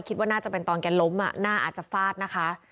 คิดว่าน่าจะเป็นตอนแกล้มหน้าอาจจะฟาดนะคะ